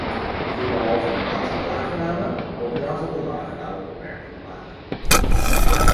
Ik wil behalve een aantal aangename, ook een aantal onaangename opmerkingen maken.